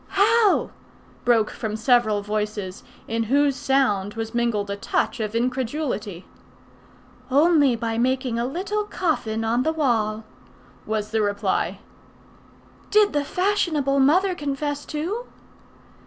"How?" broke from several voices, in whose sound was mingled a touch of incredulity. "Only by making a little coffin on the wall," was the reply. "Did the fashionable mother confess too?"